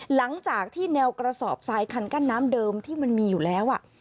หลังจากที่แนวกระสอบทรายคันกั้นน้ำเดิมที่มันมีอยู่แล้ว